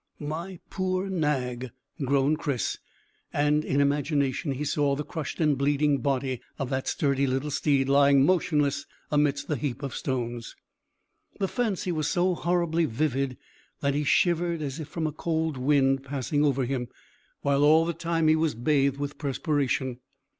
"My poor nag!" groaned Chris, and in imagination he saw the crushed and bleeding body of the sturdy little steed lying motionless amidst the heap of stones. The fancy was so horribly vivid that he shivered as if from a cold wind passing over him, while all the time he was bathed with perspiration.